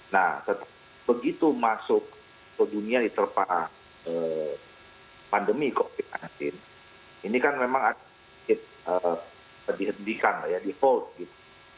nah begitu masuk ke dunia di terpa pandemi covid sembilan belas ini kan memang agak sedikit dihentikan default